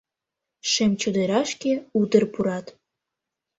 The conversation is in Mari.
Шем чодырашке утыр пурат.